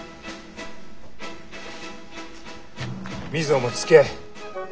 瑞穂もつきあえ。